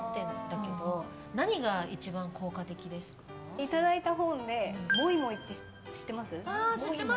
いただいた本で「もいもい」って知ってます？